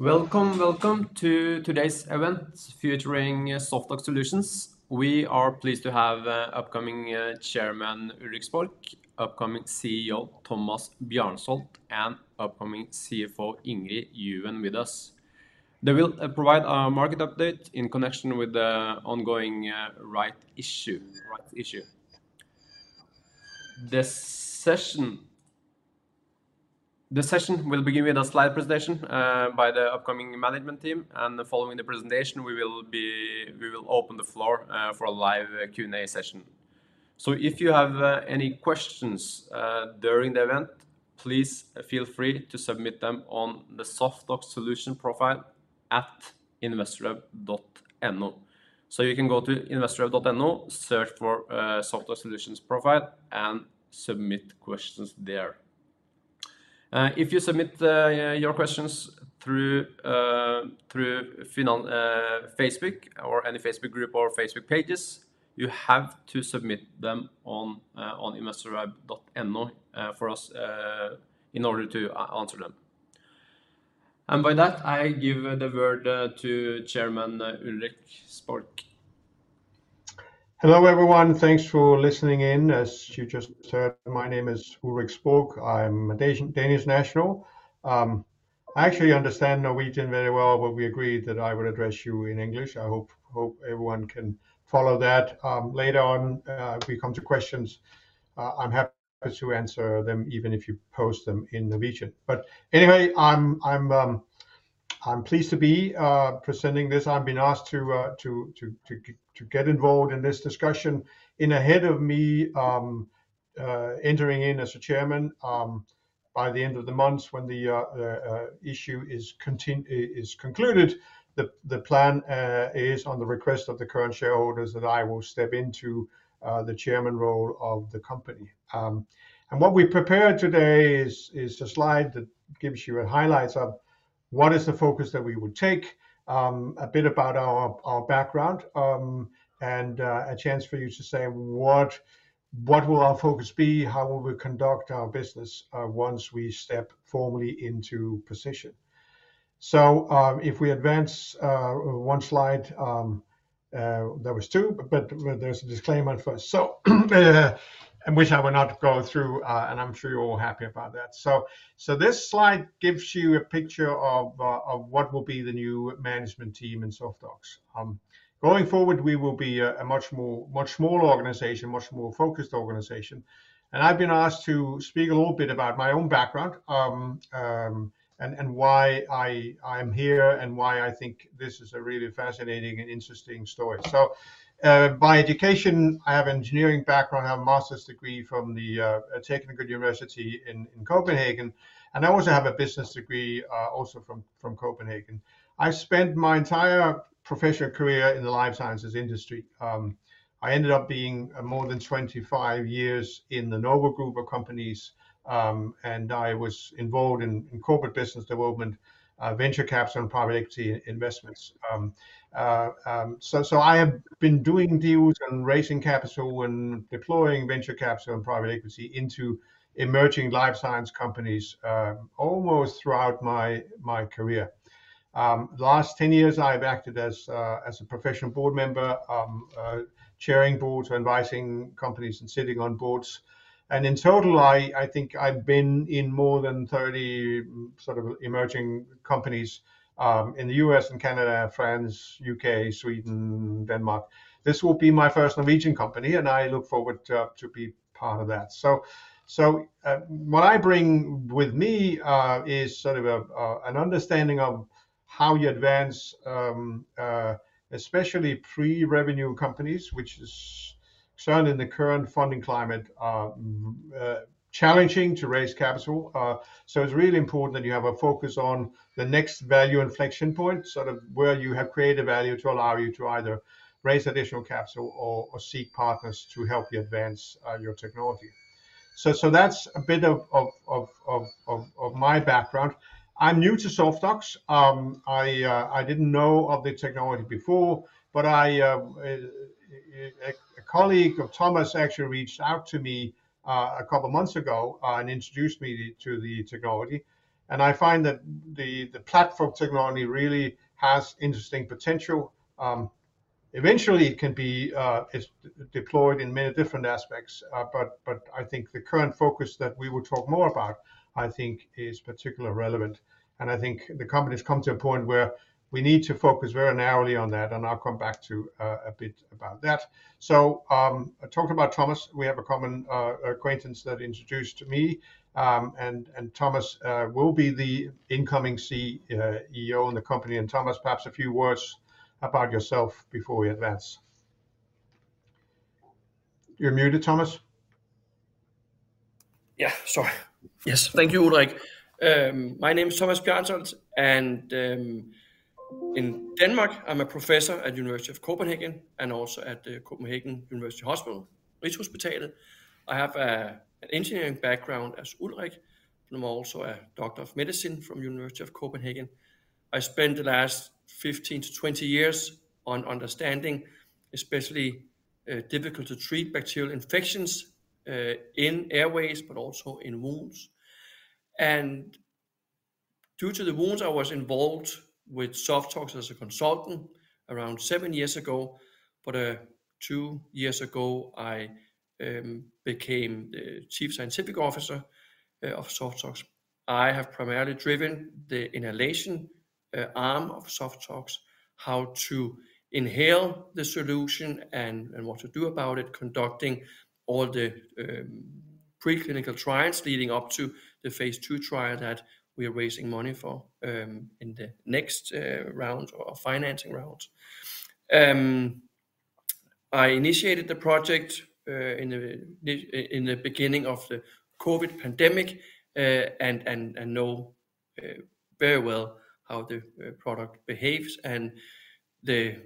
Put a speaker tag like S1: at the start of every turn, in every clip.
S1: Welcome, welcome to today's event featuring SoftOx Solutions. We are pleased to have upcoming Chairman Ulrik Spork, upcoming CEO Thomas Bjarnsholt, and upcoming CFO Ingrid Juven with us. They will provide a market update in connection with the ongoing rights issue, rights issue. This session, this session will begin with a slide presentation by the upcoming management team, and following the presentation, we will open the floor for a live Q&A session. So if you have any questions during the event, please feel free to submit them on the SoftOx Solutions profile at investorweb.no. So you can go to investorweb.no, search for SoftOx Solutions profile, and submit questions there. If you submit your questions through Facebook or any Facebook group or Facebook pages, you have to submit them on investorweb.no for us in order to answer them. And by that, I give the word to Chairman Ulrik Spork.
S2: Hello, everyone, thanks for listening in. As you just heard, my name is Ulrik Spork. I'm a Danish national. I actually understand Norwegian very well, but we agreed that I would address you in English. I hope everyone can follow that. Later on, we come to questions. I'm happy to answer them, even if you post them in Norwegian. But anyway, I'm pleased to be presenting this. I've been asked to get involved in this discussion ahead of me entering as chairman by the end of the month, when the issue is concluded. The plan is on the request of the current shareholders, that I will step into the chairman role of the company. And what we prepared today is a slide that gives you highlights of what is the focus that we would take, a bit about our background, and a chance for you to say, what will our focus be, how will we conduct our business, once we step formally into position? So, if we advance one slide... There was two, but there's a disclaimer first. So, and which I will not go through, and I'm sure you're all happy about that. So, this slide gives you a picture of what will be the new management team in SoftOx. Going forward, we will be a much more, much smaller organization, much more focused organization. And I've been asked to speak a little bit about my own background, and why I'm here and why I think this is a really fascinating and interesting story. By education, I have engineering background. I have a master's degree from the Technical University in Copenhagen, and I also have a business degree, also from Copenhagen. I spent my entire professional career in the life sciences industry. I ended up being more than 25 years in the Novo Group of companies, and I was involved in corporate business development, venture capital, and private equity investments. I have been doing deals and raising capital and deploying venture capital and private equity into emerging life science companies, almost throughout my career. Last 10 years, I've acted as a professional board member, chairing boards, advising companies, and sitting on boards. And in total, I think I've been in more than 30 sort of emerging companies in the U.S. and Canada, France, U.K., Sweden, Denmark. This will be my first Norwegian company, and I look forward to be part of that. So, what I bring with me is sort of an understanding of how you advance especially pre-revenue companies, which is certainly in the current funding climate challenging to raise capital. So it's really important that you have a focus on the next value inflection point, sort of where you have created value to allow you to either raise additional capital or seek partners to help you advance your technology. So that's a bit of my background. I'm new to SoftOx. I didn't know of the technology before, but a colleague of Thomas actually reached out to me a couple of months ago, and introduced me to the technology, and I find that the platform technology really has interesting potential. Eventually, it is deployed in many different aspects. But I think the current focus that we will talk more about, I think is particularly relevant, and I think the company has come to a point where we need to focus very narrowly on that, and I'll come back to a bit about that. So, talking about Thomas, we have a common acquaintance that introduced me, and Thomas will be the incoming CEO in the company. Thomas, perhaps a few words about yourself before we advance. You're muted, Thomas.
S3: Yeah, sorry. Yes. Thank you, Ulrik. My name is Thomas Bjarnsholt, and, in Denmark, I'm a professor at University of Copenhagen and also at the Copenhagen University Hospital, Rigshospitalet. I have, an engineering background as Ulrik, and I'm also a doctor of medicine from University of Copenhagen. I spent the last 15-20 years on understanding, especially-... difficult to treat bacterial infections in airways, but also in wounds. And due to the wounds, I was involved with SoftOx as a consultant around seven years ago, but two years ago, I became the Chief Scientific Officer of SoftOx. I have primarily driven the inhalation arm of SoftOx, how to inhale the solution and what to do about it, conducting all the preclinical trials leading up to the Phase II trial that we are raising money for in the next round of financing rounds. I initiated the project in the beginning of the COVID pandemic and I know very well how the product behaves and the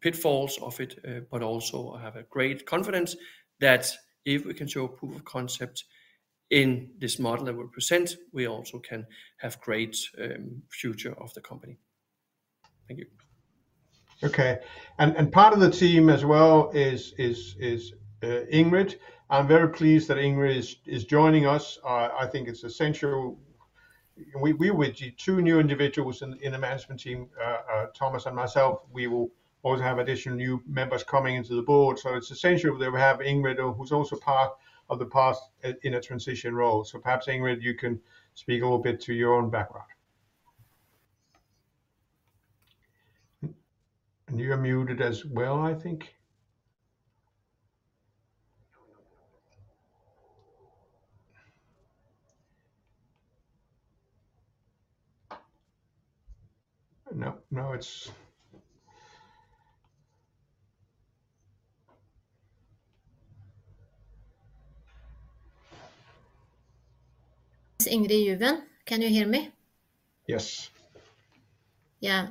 S3: pitfalls of it. But also I have a great confidence that if we can show a proof of concept in this model that we present, we also can have great future of the company. Thank you.
S2: Okay. Part of the team as well is Ingrid. I'm very pleased that Ingrid is joining us. I think it's essential we, with two new individuals in the management team, Thomas and myself, we will also have additional new members coming into the board. So it's essential that we have Ingrid, who's also part of the past in a transition role. Perhaps, Ingrid, you can speak a little bit to your own background. You're muted as well, I think. No, now it's...
S4: It's Ingrid Juven. Can you hear me?
S2: Yes.
S4: Yeah,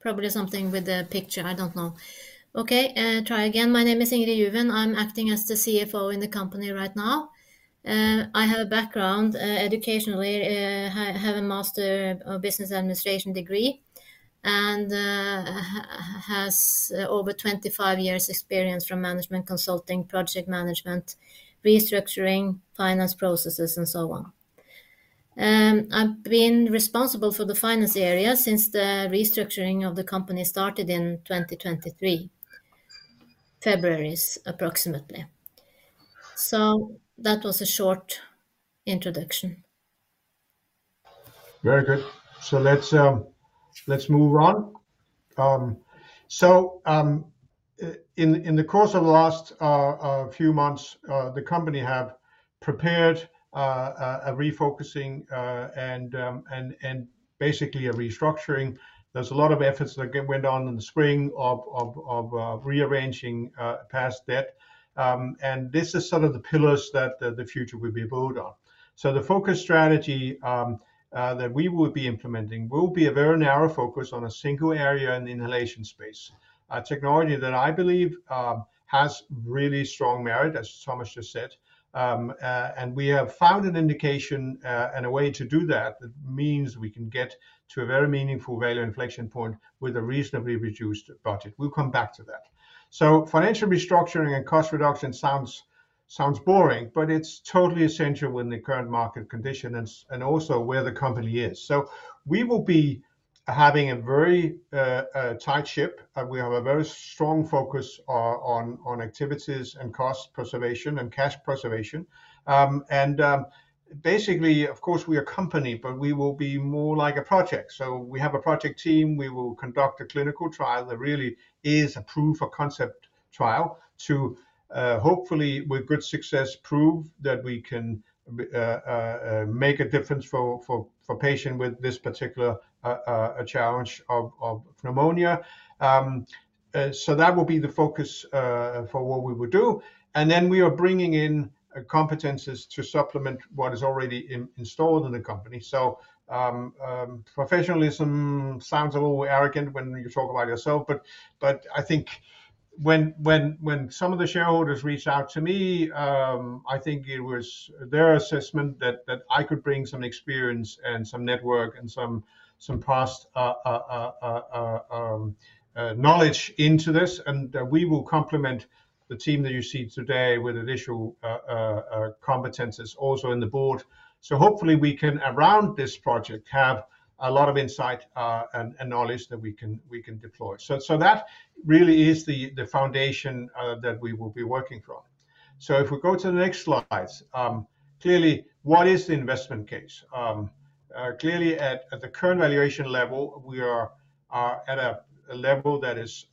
S4: probably something with the picture. I don't know. Okay, try again. My name is Ingrid Juven. I'm acting as the CFO in the company right now. I have a background, educationally, I have a Master of Business Administration degree and has over 25 years' experience from management consulting, project management, restructuring, finance processes, and so on. I've been responsible for the finance area since the restructuring of the company started in 2023, February approximately. So that was a short introduction.
S2: Very good. So let's, let's move on. So, in the course of the last few months, the company have prepared a refocusing, and, and basically a restructuring. There's a lot of efforts that went on in the spring of rearranging past debt. And this is some of the pillars that the future will be built on. So the focus strategy that we will be implementing will be a very narrow focus on a single area in the inhalation space. A technology that I believe has really strong merit, as Thomas just said. And we have found an indication, and a way to do that, that means we can get to a very meaningful value inflection point with a reasonably reduced budget. We'll come back to that. So financial restructuring and cost reduction sounds boring, but it's totally essential in the current market condition and also where the company is. So we will be having a very tight ship, and we have a very strong focus on activities and cost preservation and cash preservation. And basically, of course, we are a company, but we will be more like a project. So we have a project team. We will conduct a clinical trial that really is a proof of concept trial to hopefully, with good success, prove that we can make a difference for patient with this particular challenge of pneumonia. So that will be the focus for what we would do. Then we are bringing in competencies to supplement what is already installed in the company. So, professionalism sounds a little arrogant when you talk about yourself, but I think when some of the shareholders reached out to me, I think it was their assessment that I could bring some experience and some network and some past knowledge into this, and we will complement the team that you see today with additional competencies also in the board. So hopefully we can, around this project, have a lot of insight, and knowledge that we can deploy. So that really is the foundation that we will be working from. So if we go to the next slides, clearly, what is the investment case? Clearly, at the current valuation level, we are at a level that is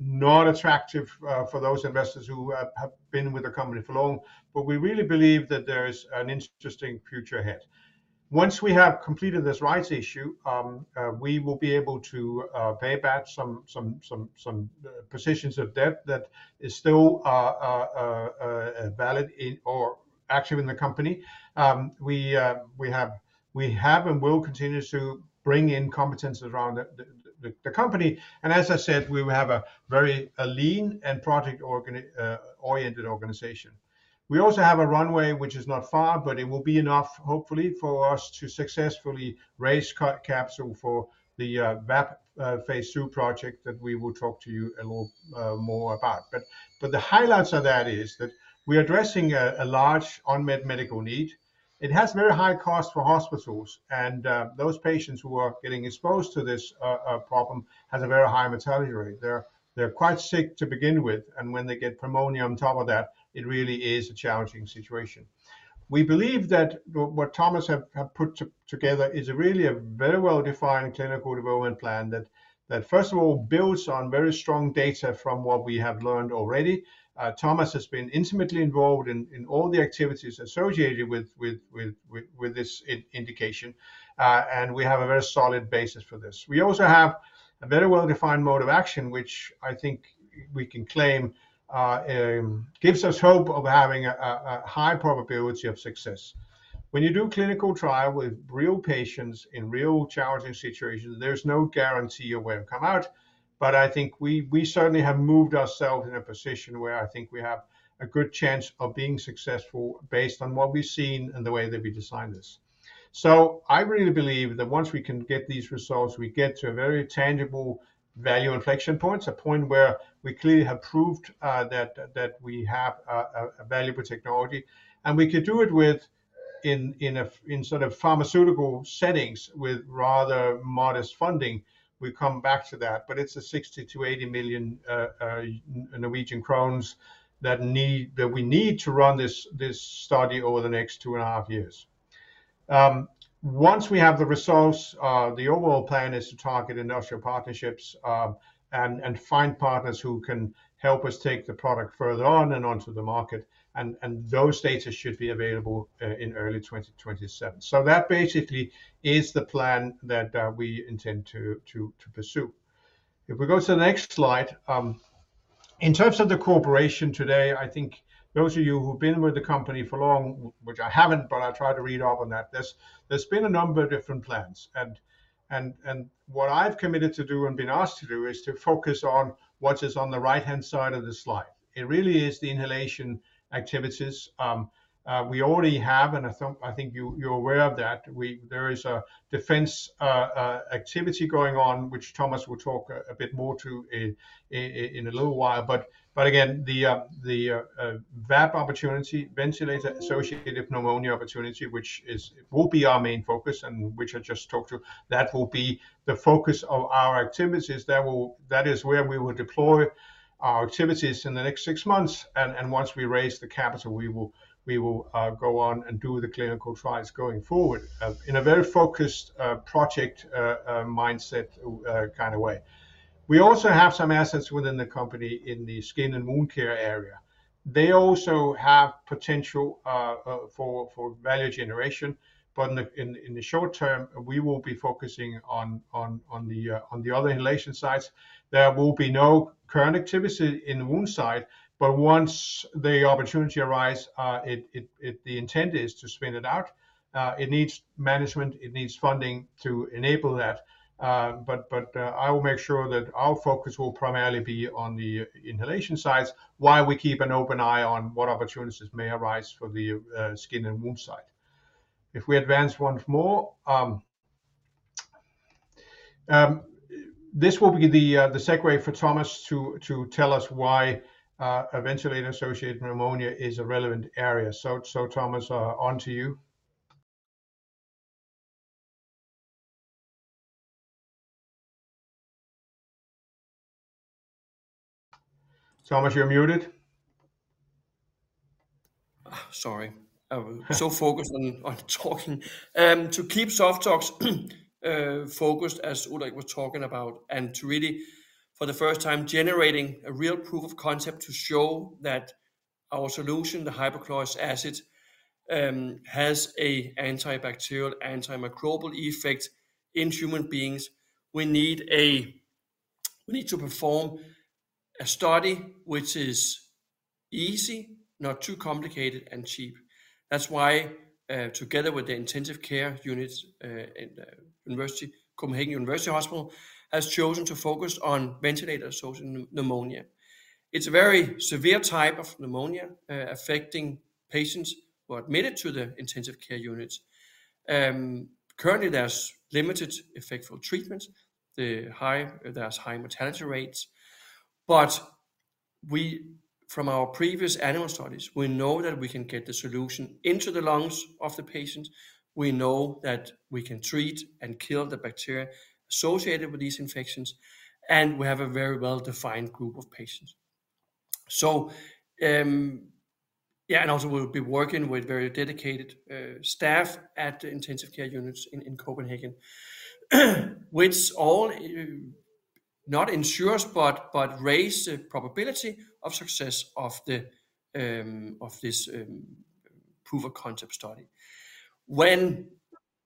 S2: not attractive for those investors who have been with the company for long. But we really believe that there is an interesting future ahead. Once we have completed this rights issue, we will be able to pay back some positions of debt that is still valid in or actually in the company. We have and will continue to bring in competencies around the company. And as I said, we will have a very lean and project oriented organization. We also have a runway, which is not far, but it will be enough, hopefully, for us to successfully raise capital for the VAP Phase II project that we will talk to you a little more about. But the highlights of that is that we are addressing a large unmet medical need. It has very high cost for hospitals, and those patients who are getting exposed to this problem has a very high mortality rate. They're quite sick to begin with, and when they get pneumonia on top of that, it really is a challenging situation. We believe that what Thomas have put together is really a very well-defined clinical development plan that first of all builds on very strong data from what we have learned already. Thomas has been intimately involved in all the activities associated with this indication, and we have a very solid basis for this. We also have a very well-defined mode of action, which I think we can claim gives us hope of having a high probability of success. When you do clinical trial with real patients in real challenging situations, there's no guarantee of where it'll come out, but I think we certainly have moved ourselves in a position where I think we have a good chance of being successful based on what we've seen and the way that we designed this. So I really believe that once we can get these results, we get to a very tangible value inflection point, a point where we clearly have proved that we have a valuable technology, and we can do it in a sort of pharmaceutical settings with rather modest funding. We come back to that, but it's 60-80 million Norwegian crowns that we need to run this study over the next two and a half years. Once we have the results, the overall plan is to target industrial partnerships, and find partners who can help us take the product further on and onto the market, and those data should be available in early 2027. So that basically is the plan that we intend to pursue. If we go to the next slide, in terms of the cooperation today, I think those of you who've been with the company for long, which I haven't, but I tried to read up on that, there's been a number of different plans, and what I've committed to do and been asked to do is to focus on what is on the right-hand side of the slide. It really is the inhalation activities. We already have, and I think you're aware of that, there is a defense activity going on, which Thomas will talk a bit more to in a little while. But again, the VAP opportunity, ventilator-associated pneumonia opportunity, which will be our main focus and which I just talked about, that will be the focus of our activities. That is where we will deploy our activities in the next six months, and once we raise the capital, we will go on and do the clinical trials going forward in a very focused project mindset kind of way. We also have some assets within the company in the skin and wound care area. They also have potential for value generation, but in the short term, we will be focusing on the other inhalation sides. There will be no current activity in the wound side, but once the opportunity arise, it, it, it... The intent is to spin it out. It needs management, it needs funding to enable that, but I will make sure that our focus will primarily be on the inhalation sides, while we keep an open eye on what opportunities may arise for the skin and wound side. If we advance once more, this will be the segue for Thomas to tell us why ventilator-associated pneumonia is a relevant area. So, Thomas, on to you. Thomas, you're muted.
S3: Sorry. I was so focused on talking. To keep SoftOx focused, as Ulrik was talking about, and to really, for the first time, generating a real proof of concept to show that our solution, the hypochlorous acid, has a antibacterial, antimicrobial effect in human beings, we need to perform a study which is easy, not too complicated, and cheap. That's why, together with the intensive care units in the university, Copenhagen University Hospital has chosen to focus on ventilator-associated pneumonia. It's a very severe type of pneumonia affecting patients who are admitted to the intensive care units. Currently, there's limited effective treatments, there's high mortality rates, but we, from our previous animal studies, we know that we can get the solution into the lungs of the patients. We know that we can treat and kill the bacteria associated with these infections, and we have a very well-defined group of patients. So, yeah, and also we'll be working with very dedicated staff at the intensive care units in Copenhagen, which all not ensures, but raise the probability of success of this proof of concept study. When,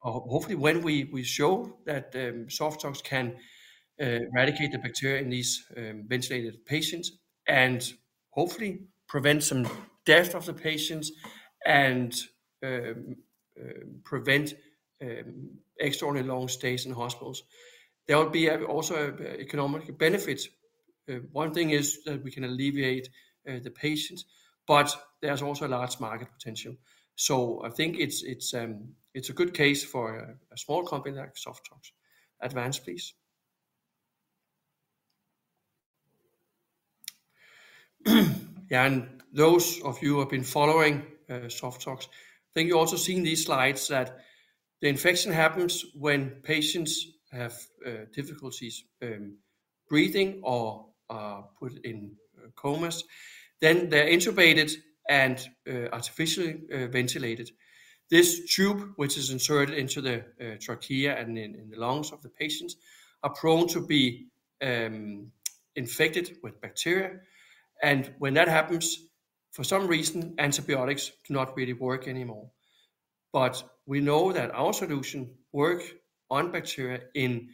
S3: hopefully, when we show that SoftOx can eradicate the bacteria in these ventilated patients and hopefully prevent some death of the patients and prevent extraordinarily long stays in hospitals, there will be also an economic benefit. One thing is that we can alleviate the patients, but there's also a large market potential. So I think it's a good case for a small company like SoftOx. Advance, please. Yeah, and those of you who have been following, SoftOx, then you've also seen these slides that the infection happens when patients have, difficulties, breathing or are put in comas, then they're intubated and, artificially, ventilated. This tube, which is inserted into the, trachea and in the lungs of the patients, are prone to be, infected with bacteria. And when that happens, for some reason, antibiotics do not really work anymore. But we know that our solution work on bacteria in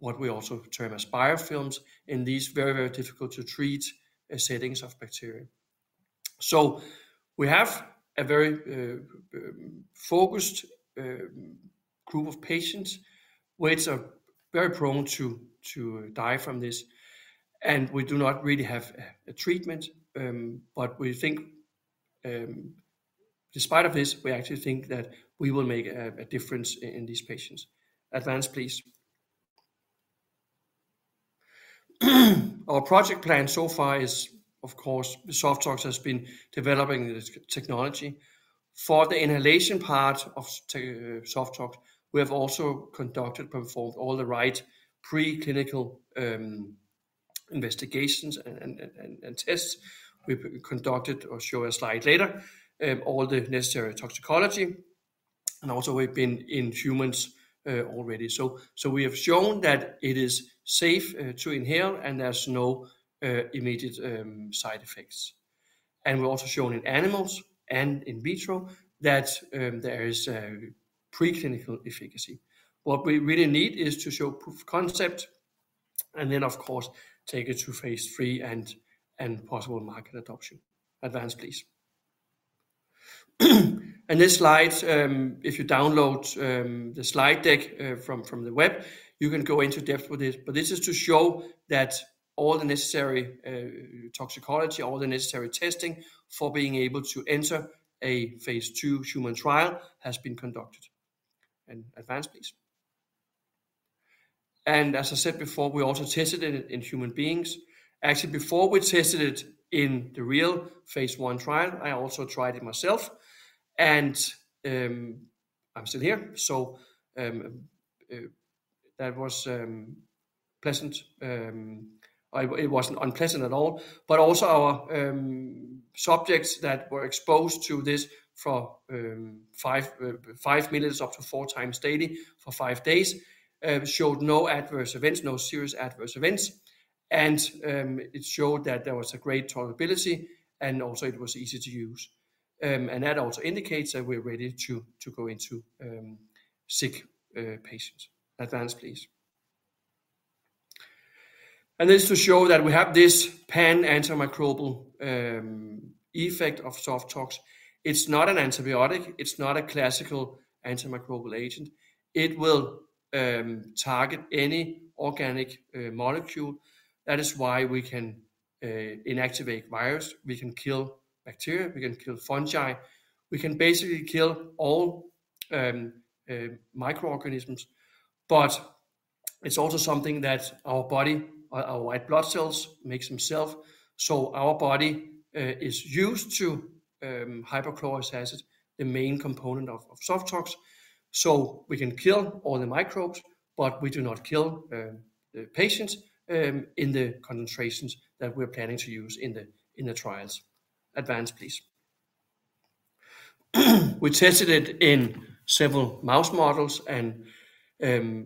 S3: what we also term as biofilms, in these very, very difficult to treat settings of bacteria. So we have a very, focused, group of patients which are very prone to die from this, and we do not really have a treatment. But we think, despite of this, we actually think that we will make a difference in these patients. Advance, please. Our project plan so far is, of course, SoftOx has been developing this technology. For the inhalation part of SoftOx, we have also conducted, performed all the right preclinical investigations and tests. We've conducted, I'll show a slide later, all the necessary toxicology, and also we've been in humans already. So we have shown that it is safe to inhale, and there's no immediate side effects. And we've also shown in animals and in vitro that there is a preclinical efficacy. What we really need is to show proof of concept and then, of course, take it to Phase III and possible market adoption. Advance, please. In this slide, if you download the slide deck from the web, you can go into depth with this. But this is to show that all the necessary toxicology, all the necessary testing for being able to enter a Phase II human trial has been conducted. And advance, please. And as I said before, we also tested it in human beings. Actually, before we tested it in the real Phase I trial, I also tried it myself, and I'm still here, so that was pleasant. It wasn't unpleasant at all. But also our subjects that were exposed to this for 5 minutes, up to 4x daily for 5 days, showed no adverse events, no serious adverse events. And, it showed that there was a great tolerability, and also it was easy to use. And that also indicates that we're ready to go into sick patients. Advance, please. And this is to show that we have this pan-antimicrobial effect of SoftOx. It's not an antibiotic. It's not a classical antimicrobial agent. It will target any organic molecule. That is why we can inactivate virus, we can kill bacteria, we can kill fungi, we can basically kill all microorganisms. But it's also something that our body, our white blood cells makes themself. So our body is used to hypochlorous acid, the main component of SoftOx. So we can kill all the microbes, but we do not kill the patients in the concentrations that we're planning to use in the trials. Advance, please. We tested it in several mouse models, and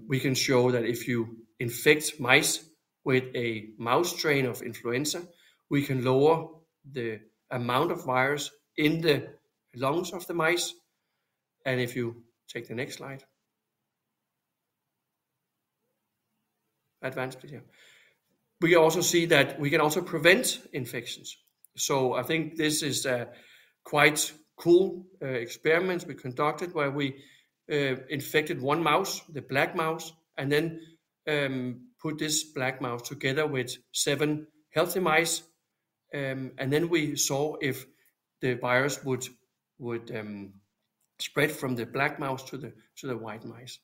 S3: we can show that if you infect mice with a mouse strain of influenza, we can lower the amount of virus in the lungs of the mice. And if you take the next slide... Advance, please. Yeah. We also see that we can also prevent infections. So I think this is a quite cool experiment we conducted, where we infected one mouse, the black mouse, and then put this black mouse together with seven healthy mice, and then we saw if the virus would spread from the black mouse to the white mice.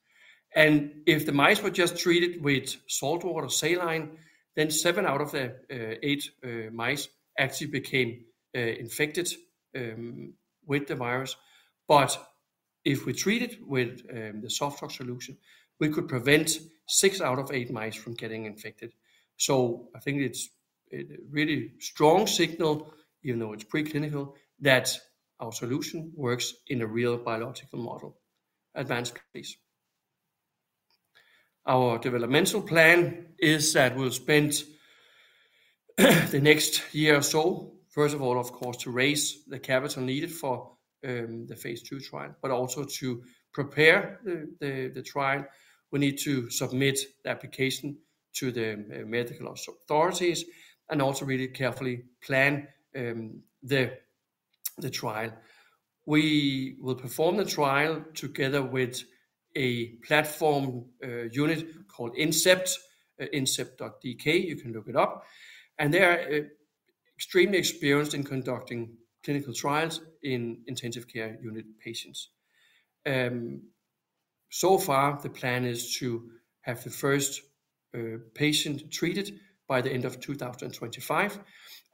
S3: And if the mice were just treated with saltwater saline, then seven out of the eight mice actually became infected with the virus. But if we treat it with the SoftOx solution, we could prevent 6 out of 8 mice from getting infected. So I think it's a really strong signal, even though it's preclinical, that our solution works in a real biological model. Advance, please. Our developmental plan is that we'll spend the next year or so, first of all, of course, to raise the capital needed for the Phase II trial, but also to prepare the trial. We need to submit the application to the medical authorities and also really carefully plan the trial. We will perform the trial together with a platform unit called InCEPT, incept.dk, you can look it up. And they are extremely experienced in conducting clinical trials in intensive care unit patients. So far, the plan is to have the first patient treated by the end of 2025,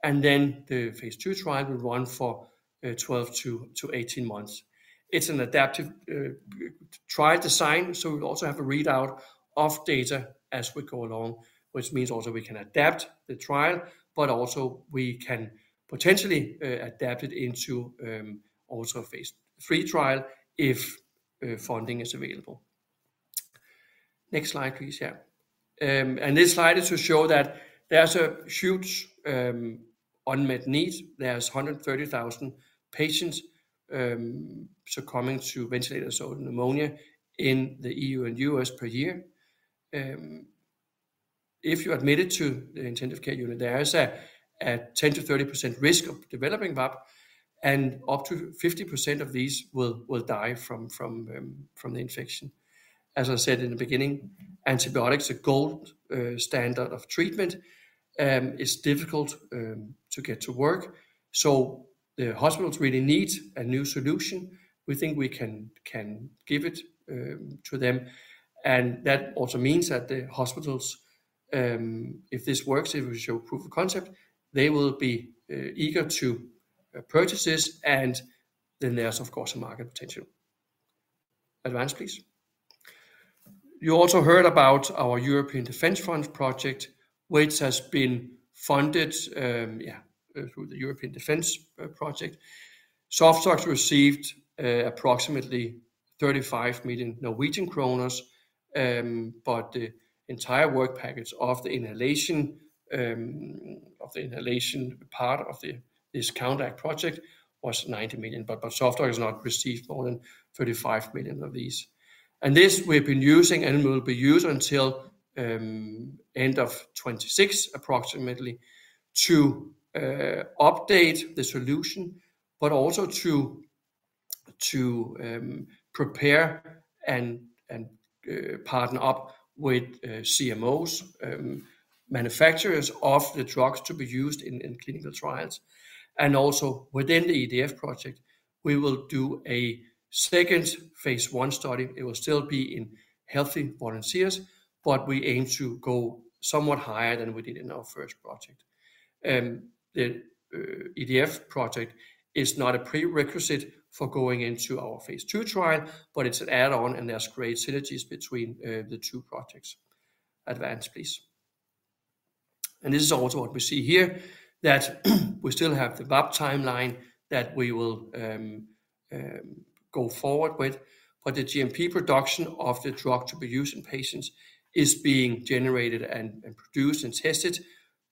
S3: and then the Phase II trial will run for 12-18 months. It's an adaptive trial design, so we also have a readout of data as we go along, which means also we can adapt the trial, but also we can potentially adapt it into also a Phase III trial if funding is available. Next slide, please. Yeah. And this slide is to show that there's a huge unmet need. There's 130,000 patients succumbing to ventilator-associated pneumonia in the E.U. and U.S. per year. If you're admitted to the intensive care unit, there is a 10%-30% risk of developing VAP, and up to 50% of these will die from the infection. As I said in the beginning, antibiotics, the gold standard of treatment, is difficult to get to work, so the hospitals really need a new solution. We think we can give it to them, and that also means that the hospitals, if this works, if we show proof of concept, they will be eager to purchase this, and then there's, of course, a market potential. Advance, please. You also heard about our European Defence Fund project, which has been funded through the European Defence Fund. SoftOx received approximately NOK 35 million, but the entire work package of the inhalation part of this COUNTERACT project was 90 million. But SoftOx has not received more than 35 million of these, and this we've been using and will be used until end of 2026, approximately, to update the solution, but also to prepare and partner up with CMOs, manufacturers of the drugs to be used in clinical trials. And also within the EDF project, we will do a second Phase I study. It will still be in healthy volunteers, but we aim to go somewhat higher than we did in our first project. The EDF project is not a prerequisite for going into our Phase II trial, but it's an add-on, and there's great synergies between the two projects. Advance, please. This is also what we see here, that we still have the VAP timeline that we will go forward with, but the GMP production of the drug to be used in patients is being generated and produced and tested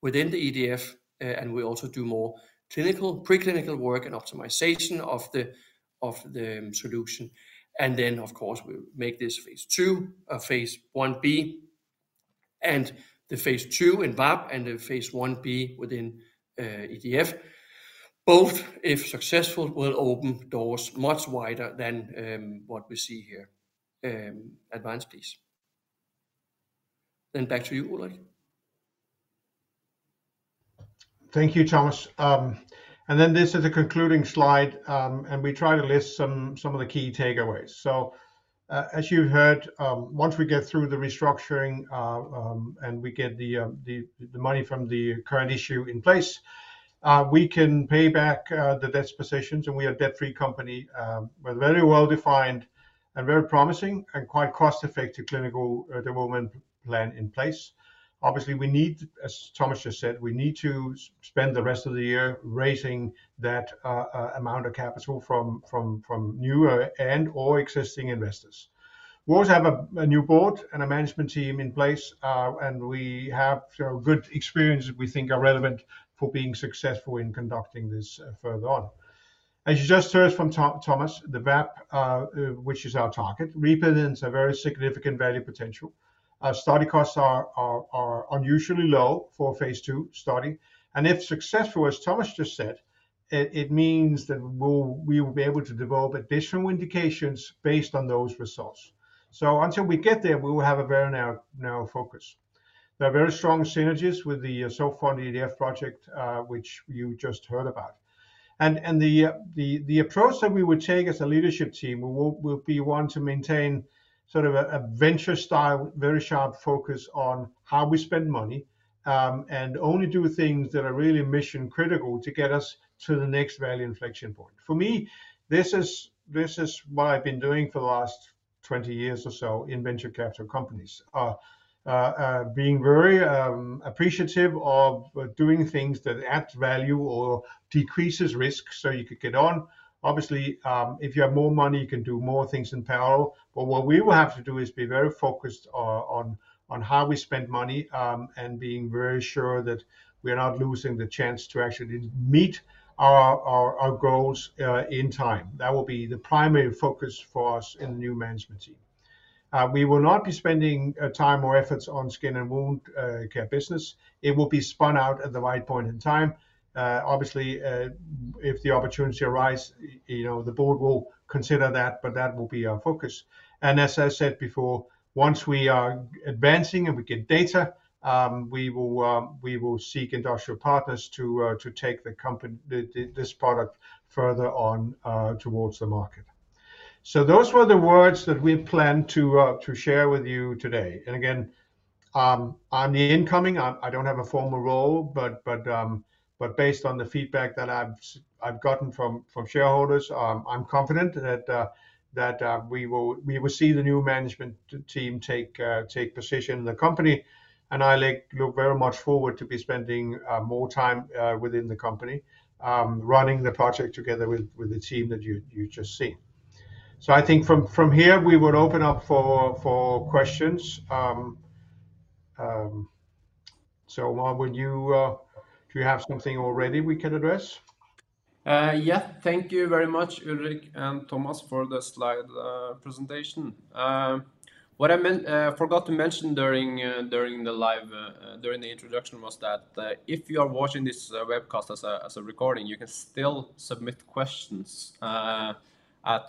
S3: within the EDF, and we also do more preclinical work and optimization of the solution. Then, of course, we make this Phase II, Phase one B, and the Phase II in VAP and the Phase one B within EDF. Both, if successful, will open doors much wider than what we see here. Advance, please. Then back to you, Ulrik.
S2: Thank you, Thomas. And then this is a concluding slide, and we try to list some of the key takeaways. So, as you heard, once we get through the restructuring, and we get the money from the rights issue in place, we can pay back the debt positions, and we are a debt-free company with a very well-defined and very promising and quite cost-effective clinical development plan in place. Obviously, we need, as Thomas just said, we need to spend the rest of the year raising that amount of capital from new and/or existing investors. We also have a new board and a management team in place, and we have good experiences we think are relevant for being successful in conducting this further on. As you just heard from Thomas, the VAP, which is our target, represents a very significant value potential. Our study costs are unusually low for a Phase II study, and if successful, as Thomas just said, it means that we will be able to develop additional indications based on those results. So until we get there, we will have a very narrow focus. There are very strong synergies with the EU-funded EDF project, which you just heard about. And the approach that we would take as a leadership team will be one to maintain sort of a venture style, very sharp focus on how we spend money, and only do things that are really mission-critical to get us to the next value inflection point. For me, this is what I've been doing for the last 20 years or so in venture capital companies. Being very appreciative of doing things that adds value or decreases risk so you could get on. Obviously, if you have more money, you can do more things in parallel, but what we will have to do is be very focused on how we spend money, and being very sure that we are not losing the chance to actually meet our goals in time. That will be the primary focus for us in the new management team. We will not be spending time or efforts on skin and wound care business. It will be spun out at the right point in time. Obviously, if the opportunity arise, you know, the board will consider that, but that will be our focus. And as I said before, once we are advancing and we get data, we will seek industrial partners to take the company, this product further on towards the market. So those were the words that we planned to share with you today. Again, on the incoming, I don't have a formal role, but based on the feedback that I've gotten from shareholders, I'm confident that we will see the new management team take position in the company, and I look very much forward to be spending more time within the company, running the project together with the team that you just seen. So I think from here, we will open up for questions. So what would you... Do you have something already we can address?
S1: Yeah. Thank you very much, Ulrik and Thomas, for the slide presentation. What I meant, forgot to mention during the live introduction was that, if you are watching this webcast as a recording, you can still submit questions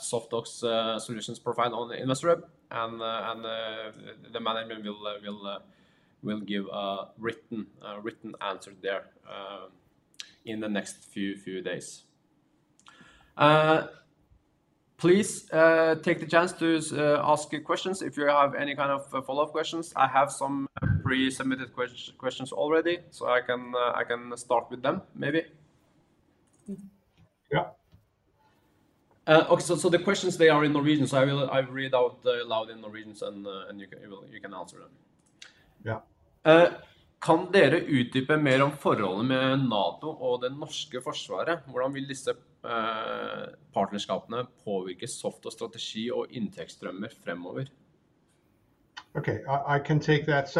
S1: SoftOx Solutions profile on the Investorweb, and the management will give a written answer there in the next few days. Please take the chance to ask your questions if you have any kind of follow-up questions. I have some pre-submitted questions already, so I can start with them, maybe.
S2: Yeah.
S1: Okay, so the questions, they are in Norwegian, so I will read out loud in Norwegian and you can answer them.
S2: Yeah.
S1: Can you elaborate more on the relationship with NATO and the Norwegian Armed Forces? How will these partnerships affect SoftOx's strategy and revenue streams going forward?
S2: Okay, I can take that.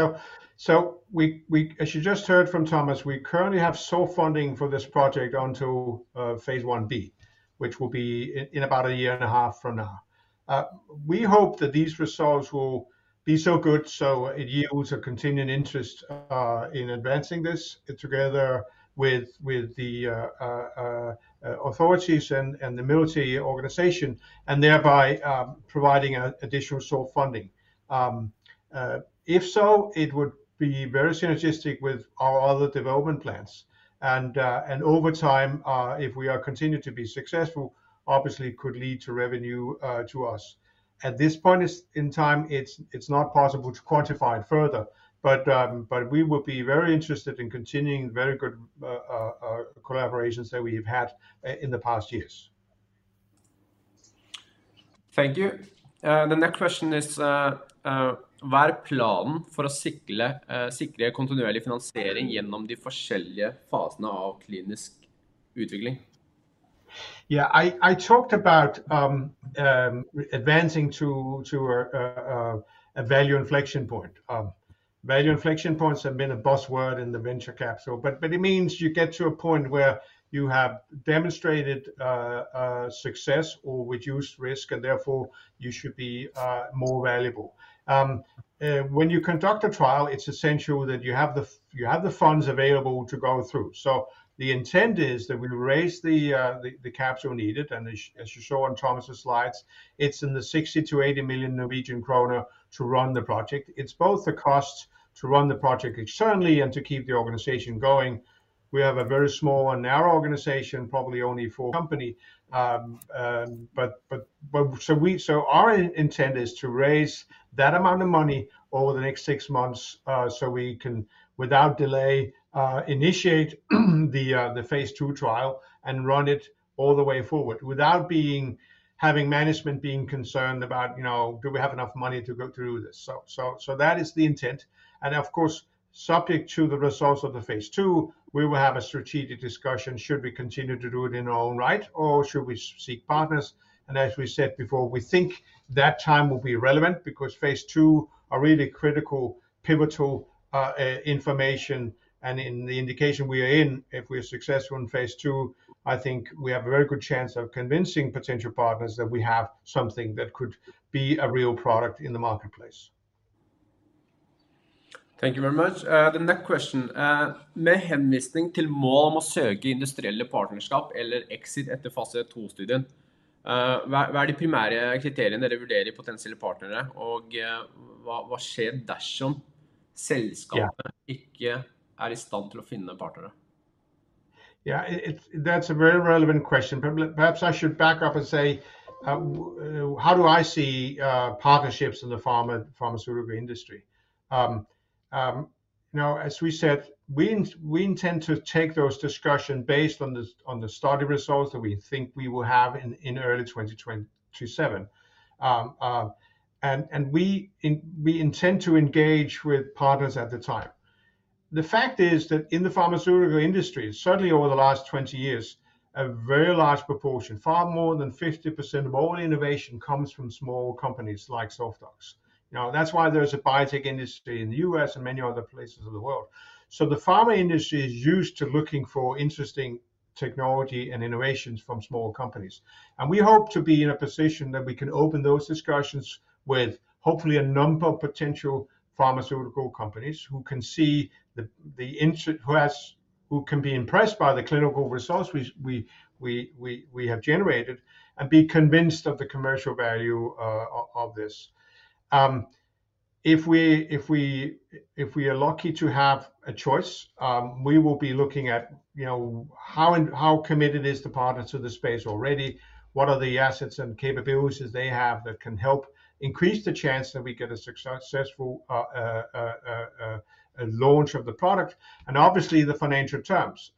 S2: So we, as you just heard from Thomas, we currently have sole funding for this project until Phase Ib, which will be in about a year and a half from now. We hope that these results will be so good, so it yields a continued interest in advancing this together with the authorities and the military organization, and thereby providing an additional sort of funding. If so, it would be very synergistic with our other development plans, and over time, if we are continued to be successful, obviously could lead to revenue to us. At this point in time, it's not possible to quantify it further, but we would be very interested in continuing very good collaborations that we have had in the past years.
S1: Thank you. The next question is: What is the plan to ensure continuous funding through the different Phases of clinical development?
S2: Yeah, I talked about advancing to a value inflection point. Value inflection points have been a buzzword in the venture capital, but it means you get to a point where you have demonstrated success or reduced risk, and therefore you should be more valuable. When you conduct a trial, it's essential that you have the funds available to go through. So the intent is that we raise the capital needed, and as you saw on Thomas's slides, it's in the 60 million-80 million Norwegian kroner to run the project. It's both the cost to run the project externally and to keep the organization going. We have a very small and narrow organization, probably only for company. But our intent is to raise that amount of money over the next six months, so we can, without delay, initiate the Phase II trial and run it all the way forward without having management being concerned about, you know, do we have enough money to go through this? So that is the intent, and of course, subject to the results of the Phase II, we will have a strategic discussion, should we continue to do it in our own right, or should we seek partners? As we said before, we think that time will be relevant because Phase II are really critical, pivotal information, and in the indication we are in, if we're successful in Phase II, I think we have a very good chance of convincing potential partners that we have something that could be a real product in the marketplace.
S1: Thank you very much. The next question: Referring to the goal of seeking industrial partnerships or exit after the Phase II study, what are the primary criteria you evaluate in potential partners, and what happens if the company is not able to find partners?
S2: Yeah, it's... That's a very relevant question. Perhaps I should back up and say how do I see partnerships in the pharma, pharmaceutical industry? You know, as we said, we intend to take those discussion based on the study results that we think we will have in early 2027. And we intend to engage with partners at the time. The fact is that in the pharmaceutical industry, certainly over the last 20 years, a very large proportion, far more than 50% of all innovation comes from small companies like SoftOx. Now, that's why there's a biotech industry in the US and many other places of the world. So the pharma industry is used to looking for interesting technology and innovations from small companies, and we hope to be in a position that we can open those discussions with, hopefully, a number of potential pharmaceutical companies who can be impressed by the clinical results we have generated and be convinced of the commercial value of this. If we are lucky to have a choice, we will be looking at, you know, how committed is the partners to the space already? What are the assets and capabilities they have that can help increase the chance that we get a successful launch of the product? And obviously, the financial terms.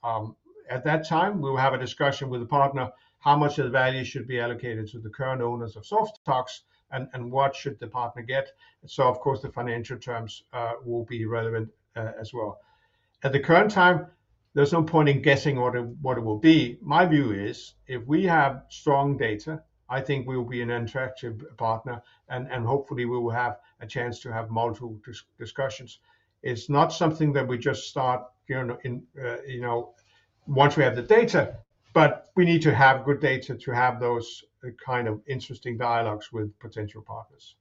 S2: At that time, we will have a discussion with the partner, how much of the value should be allocated to the current owners of SoftOx, and what should the partner get? So of course, the financial terms will be relevant as well. At the current time, there's no point in guessing what it will be. My view is, if we have strong data, I think we will be an attractive partner, and hopefully we will have a chance to have multiple discussions. It's not something that we just start, you know, in, you know, once we have the data, but we need to have good data to have those kind of interesting dialogues with potential partners.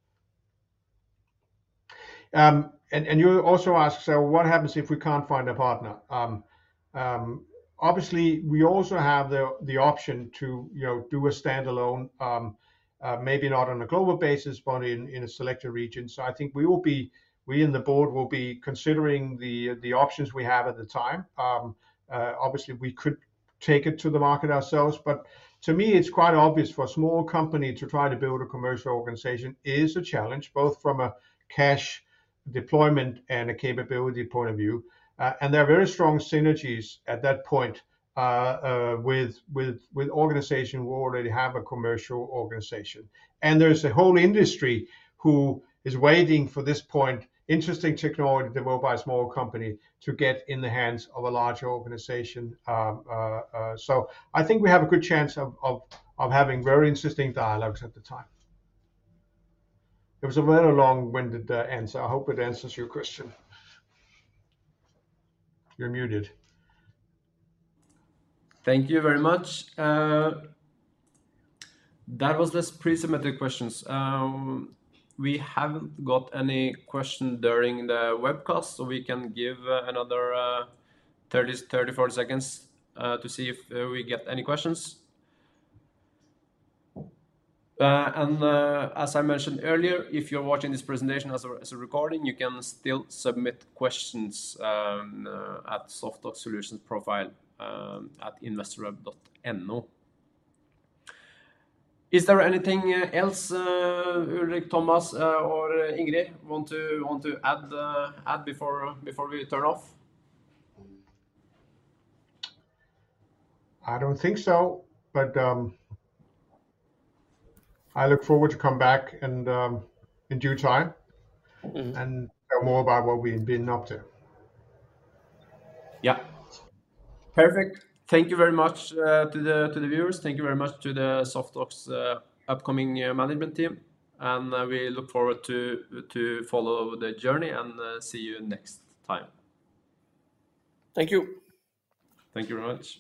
S2: And you also ask, so what happens if we can't find a partner? Obviously, we also have the option to, you know, do a standalone, maybe not on a global basis, but in a selected region. So I think we will be, we in the board will be considering the options we have at the time. Obviously, we could take it to the market ourselves, but to me, it's quite obvious for a small company to try to build a commercial organization is a challenge, both from a cash deployment and a capability point of view. And there are very strong synergies at that point, with organization who already have a commercial organization. And there's a whole industry who is waiting for this point, interesting technology, they will buy a small company to get in the hands of a larger organization. So I think we have a good chance of having very interesting dialogues at the time. It was a very long-winded answer. I hope it answers your question. You're muted.
S1: Thank you very much. That was the pre-submitted questions. We haven't got any question during the webcast, so we can give another 34 seconds to see if we get any questions. As I mentioned earlier, if you're watching this presentation as a recording, you can still submit questions at SoftOx Solutions profile at investorweb.no. Is there anything else Ulrik, Thomas, or Ingrid want to add before we turn off?
S2: I don't think so, but I look forward to come back and, in due time.
S1: Mm-hmm.
S2: and hear more about what we've been up to.
S1: Yeah. Perfect. Thank you very much to the viewers. Thank you very much to the SoftOx's upcoming management team, and we look forward to follow the journey and see you next time.
S2: Thank you.
S1: Thank you very much.